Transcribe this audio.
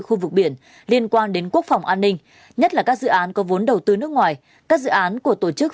khu vực biển liên quan đến quốc phòng an ninh nhất là các dự án có vốn đầu tư nước ngoài các dự án của tổ chức